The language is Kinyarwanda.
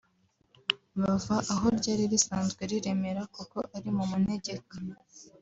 bava aho ryari risanzwe riremera kuko ari mu manegeka